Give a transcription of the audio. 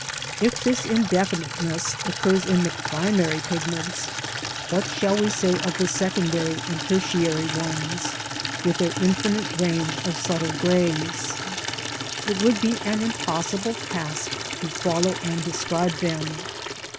If this indefiniteness occurs in the primary pigments, what shall we say of the secondary and tertiary ones, with their infinite range of subtle greys? It would be an impossible task to follow and describe them.